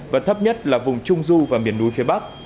và thấp nhất là vùng trung du và miền núi phía bắc